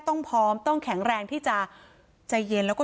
ต้องพร้อมต้องแข็งแรงที่จะใจเย็นแล้วก็